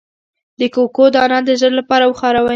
د کوکو دانه د زړه لپاره وکاروئ